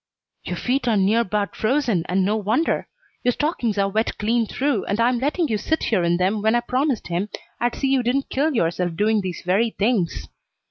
"Your feet are near 'bout frozen, and no wonder. Your stockings are wet clean through, and I'm letting you sit here in them when I promised him I'd see you didn't kill yourself doing these very things.